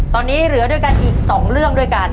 ตอนนี้เหลือด้วยกันอีก๒เรื่องด้วยกัน